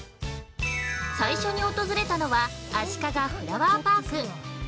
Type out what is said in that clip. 最初に訪れたのはあしかがフラワーパーク。